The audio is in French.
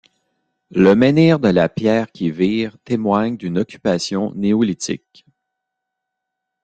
Le menhir de la Pierre-qui-vire témoigne d'une occupation néolithique.